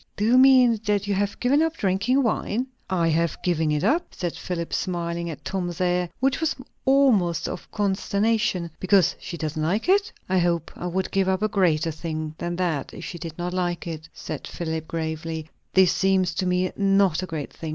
"Do you mean that you have given up drinking wine?" "I have given it up?" said Philip, smiling at Tom's air, which was almost of consternation. "Because she don't like it?" "I hope I would give up a greater thing than that, if she did not like it," said Philip gravely. "This seems to me not a great thing.